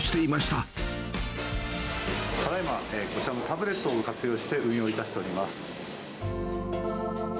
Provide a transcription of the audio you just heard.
ただいま、こちらのタブレットを活用して運用いたしております。